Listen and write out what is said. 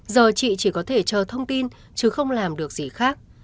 giờ chị chỉ có thể chờ thông tin chứ không làm được gì khác